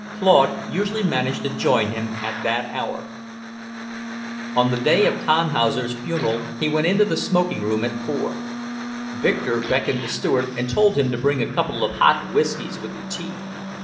Claude usually managed to join him at that hour. On the day of Tannhauser's funeral he went into the smoking room at four. Victor beckoned the steward and told him to bring a couple of hot whiskeys with the tea.